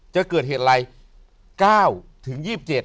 จะเกิดเหตุอะไร